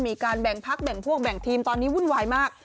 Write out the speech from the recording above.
มีการแบ่งพักแบ่งพวกแบ่งทีมตอนนี้วุ่นวายมาก